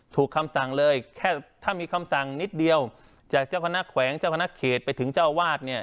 คำสั่งเลยแค่ถ้ามีคำสั่งนิดเดียวจากเจ้าคณะแขวงเจ้าคณะเขตไปถึงเจ้าวาดเนี่ย